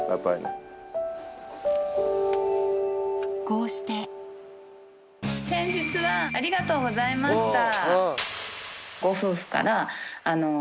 こうして先日はありがとうございました。